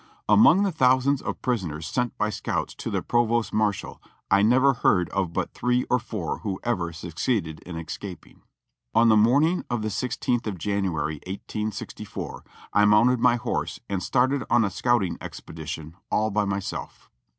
Among the thousands of prisoners sent by scouts to the pro vost marshal I never heard of but three or four who ever suc ceeded in escaping. On the morning of the sixteenth of Januar3^ 1864, I mounted my horse and started on a scouting expedition all by myself.